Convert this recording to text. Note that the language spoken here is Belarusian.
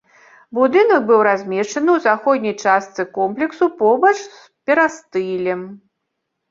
Будынак быў размешчаны ў заходняй частцы комплексу побач з перыстылем.